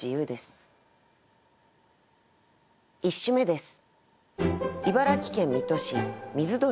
１首目です。